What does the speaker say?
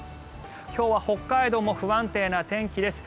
今日は北海道も不安定な天気です。